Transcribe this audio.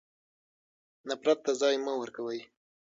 نفرت ته ځای مه ورکوئ.